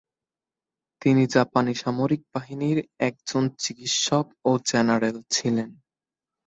তিনি জাপানি সামরিক বাহিনীর একজন চিকিৎসক ও জেনারেল ছিলেন।